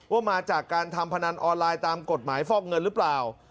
ว่ามาจากการทำพนันออนไลน์ตามกฎหมายฟอกเงินหรือเปล่า